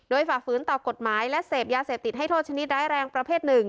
ฝ่าฝืนต่อกฎหมายและเสพยาเสพติดให้โทษชนิดร้ายแรงประเภท๑